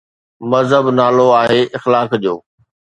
مذهب نالو آهي اخلاق جو.